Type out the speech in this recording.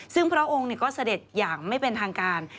ซึ่งพระองค์ก็เสด็จอย่างไม่เป็นทางการ